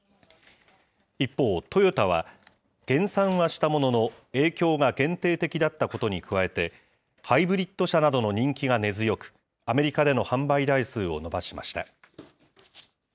一方、トヨタは、減産はしたものの、影響が限定的だったことに加えて、ハイブリッド車などの人気が根強く、アメリカでの販売台数を伸ばしました。